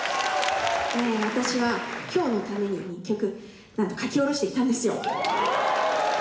私は今日のために１曲なんと書き下ろしてきたんですよ